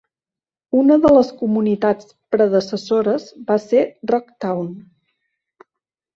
Una de les comunitats predecessores va ser "Rocktown".